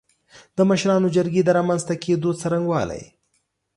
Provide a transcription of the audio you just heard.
د مشرانو جرګې د رامنځ ته کېدو څرنګوالی